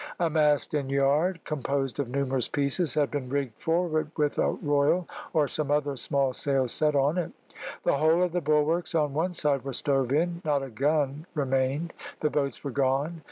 A mast and yard, composed of numerous pieces, had been rigged forward with a royal or some other small sail set on it. The whole of the bulwarks on one side were stove in; not a gun remained, the boats were gone.